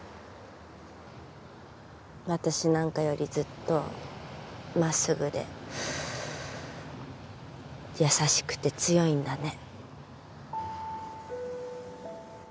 私なんかよりずっと真っすぐで優しくて強いんだね。